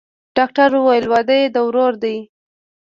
ډاکتر وويل واده يې د ورور دىه.